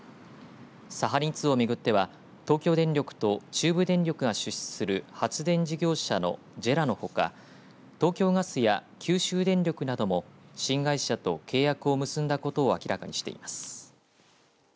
サハリン２を巡っては東京電力と中部電力が出資する発電事業者のＪＥＲＡのほか東京ガスや九州電力なども新会社と契約を結んだことを明らかにしています。